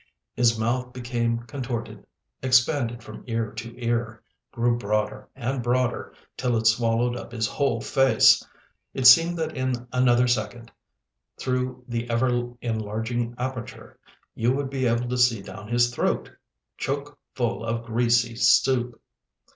his mouth became contorted, expanded from ear to ear, grew broader and broader, till it swallowed up his whole face, it seemed that in another second, through the ever enlarging aperture, you would be able to see down his throat, choke full of greasy soup.